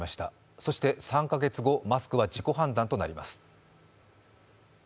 そして３か月後マスクは自己判断となります。